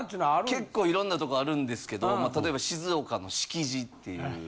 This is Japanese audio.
結構色んなとこあるんですけど例えば静岡のしきじっていう。